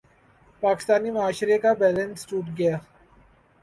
پاکستانی معاشرے کا بیلنس ٹوٹ گیا۔